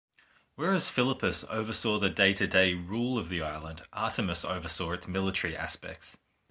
Whereas Philippus oversaw the day-to-day rule of the island, Artemis oversaw its military aspects.